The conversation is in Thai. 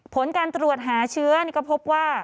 ผลการตรวจหาเชื้อนี่ก็พบว่า